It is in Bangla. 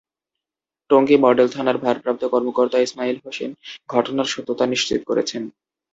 টঙ্গী মডেল থানার ভারপ্রাপ্ত কর্মকর্তা ইসমাইল হোসেন ঘটনার সত্যতা নিশ্চিত করেছেন।